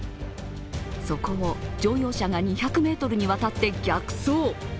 そこを乗用車が２００ｍにわたって逆走。